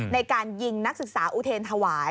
ในการยิงนักศึกษาอุเทรนถวาย